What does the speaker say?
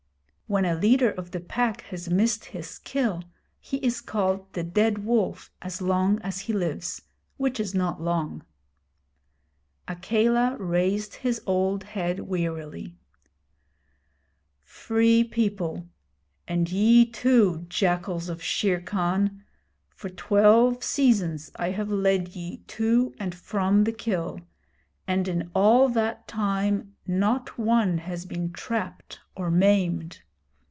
When a leader of the Pack has missed his kill, he is called the Dead Wolf as long as he lives, which is not long. Akela raised his old head wearily: 'Free People, and ye too, jackals of Shere Khan, for twelve seasons I have led ye to and from the kill, and in all that time not one has been trapped or maimed.